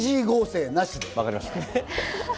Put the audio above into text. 分かりました。